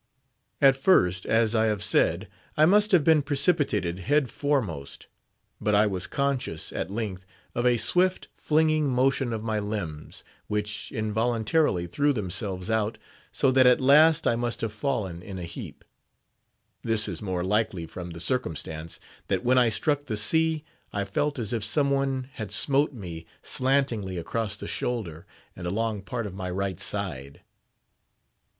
At first, as I have said, I must have been precipitated head foremost; but I was conscious, at length, of a swift, flinging motion of my limbs, which involuntarily threw themselves out, so that at last I must have fallen in a heap. This is more likely, from the circumstance, that when I struck the sea, I felt as if some one had smote me slantingly across the shoulder and along part of my right side.